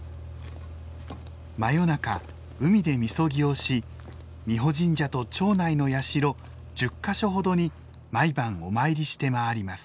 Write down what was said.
真夜中海で禊をし美保神社と町内の社１０か所ほどに毎晩お参りして回ります。